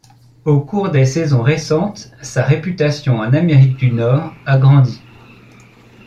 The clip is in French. Au cours des saisons récentes, sa réputation en Amérique du Nord a grandi.